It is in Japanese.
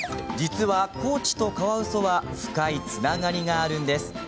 実は、高知とカワウソは深いつながりがあるんです。